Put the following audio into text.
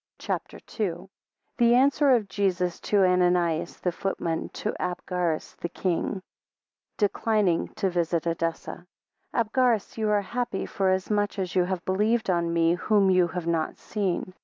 CHAPTER II. The answer of Jesus by Ananias the footman to Abgarus the king, 3 declining to visit Edessa. ABGARUS, you are happy, forasmuch as you have believed on me, whom you have not seen.